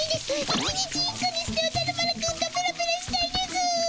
１日１個にしておじゃる丸くんとペロペロしたいですぅ。